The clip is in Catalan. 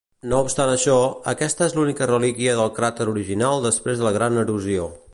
No obstant això, aquesta és l"única relíquia del cràter original després de la gran erosió.